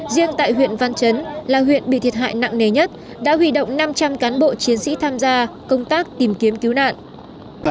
riêng tại huyện văn chấn là huyện bị thiệt hại nặng nề nhất đã hủy động năm trăm linh cán bộ chiến sĩ tham gia công tác tìm kiếm cứu nạn